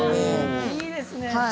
いいですね。